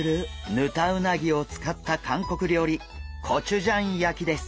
ヌタウナギをつかった韓国料理コチュジャン焼きです！